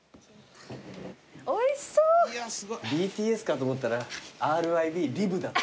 ＢＴＳかと思ったらＲＩＢリブだった。